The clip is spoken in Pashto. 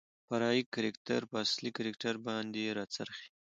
فرعي کرکتر په اصلي کرکتر باندې راڅرخي .